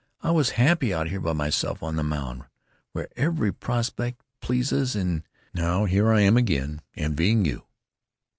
I was happy out here by myself on the Mound, where every prospect pleases, and—'n' now here I am again, envying you."